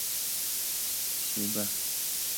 ثیبه